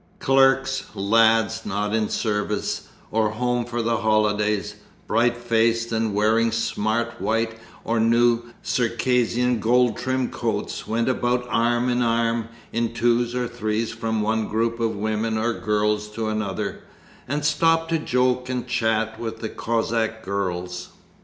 Clerks, lads not in the service, or home for the holiday, bright faced and wearing smart white or new red Circassian gold trimmed coats, went about arm in arm in twos or threes from one group of women or girls to another, and stopped to joke and chat with the Cossack girls.